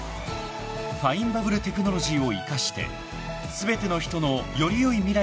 ［ファインバブルテクノロジーを生かして全ての人のより良い未来に貢献する］